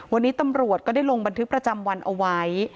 วันนี้ตำรวจก็ได้ลงบันทึกประจำวันเอาไว้